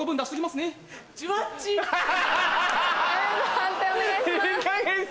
判定お願いします。